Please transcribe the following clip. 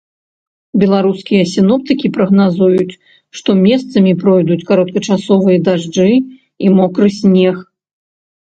Беларускія сіноптыкі прагназуюць, што месцамі пройдуць кароткачасовыя дажджы і мокры снег.